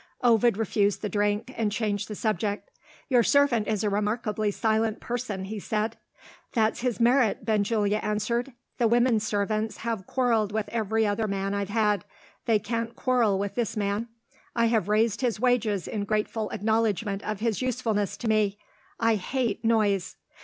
Ovid refused the drink, and changed the subject. "Your servant is a remarkably silent person," he said. "That's his merit," Benjulia answered; "the women servants have quarrelled with every other man I've had. They can't quarrel with this man. I have raised his wages in grateful acknowledgment of his usefulness to me. I hate noise."